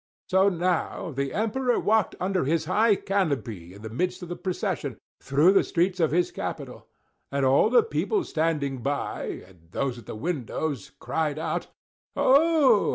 So now the Emperor walked under his high canopy in the midst of the procession, through the streets of his capital; and all the people standing by, and those at the windows, cried out, "Oh!